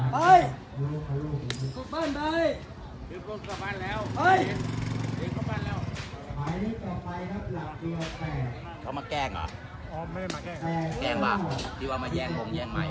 ลูกบ้านสุขเสริมขอใหม่ส่งหาราคุ